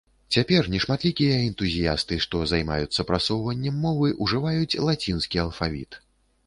Цяпер нешматлікія энтузіясты, што займаюцца прасоўваннем мовы, ужываюць лацінскі алфавіт.